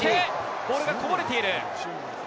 ボールがこぼれている！